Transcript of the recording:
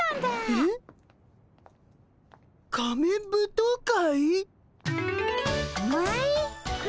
えっ？仮面舞踏会？